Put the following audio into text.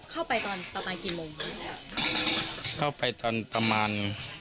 เข้าไปตอนประมาณกี่โมงเข้าไปตอนประมาณ